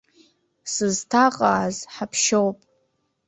Сызҭаҟааз ҳаԥшьоуп.